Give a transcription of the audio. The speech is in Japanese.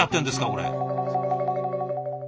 これ。